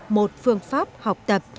một phương pháp học tập